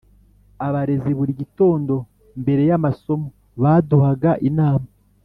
abarezi buri gitondo mbere y’amasomo baduhaga inama.